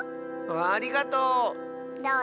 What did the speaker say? ありがとう！